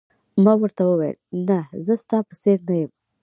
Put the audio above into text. ما ورته وویل: نه، زه ستا په څېر نه یم.